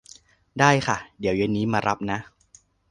ได้ค่ะ เดี๋ยวเย็นนี้มารับนะ